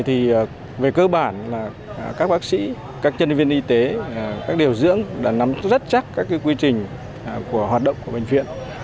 thì về cơ bản là các bác sĩ các nhân viên y tế các điều dưỡng đã nắm rất chắc các quy trình của hoạt động của bệnh viện